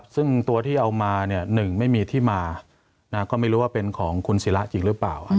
ซึ่งตัวที่เอามา๑ไม่มีที่มาก็ไม่รู้ว่าเป็นของคุณศิระจริงหรือเปล่า